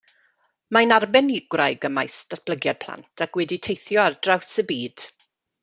Mae'n arbenigwraig ym maes datblygiad plant ac wedi teithio ar draws y byd.